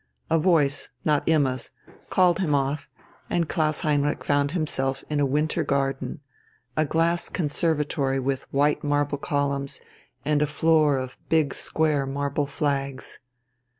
A voice not Imma's called him off, and Klaus Heinrich found himself in a winter garden, a glass conservatory with white marble columns and a floor of big square marble flags.